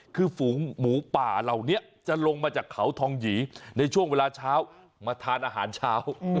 คือฝูงหมูป่าเหล่านี้จะลงมาจากเขาทองหยีในช่วงเวลาเช้ามาทานอาหารเช้า